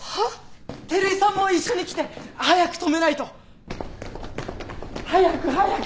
照井さんも一緒に来て！早く止めないと！早く早く！